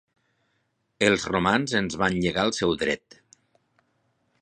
Els romans ens van llegar el seu dret.